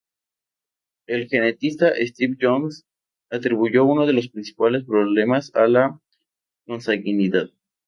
El genetista Steve Jones atribuyó uno de los principales problemas a la consanguinidad.